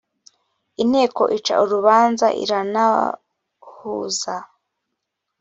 inteko ica urubanza iranahuza